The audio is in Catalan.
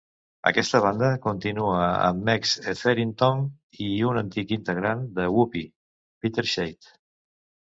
Aquesta banda continua amb Megs Etherington i un antic integrant de Whoopee, Peter Shade.